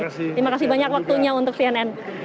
terima kasih banyak waktunya untuk cnn